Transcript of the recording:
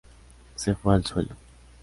Se fue al suelo.